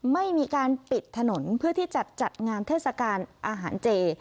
ไม่มีการปิดถนนเพื่อที่จะจัดงานเทศกาลอาหารเจ